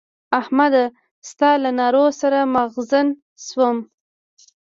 احمده! ستا له نارو سر مغزن شوم.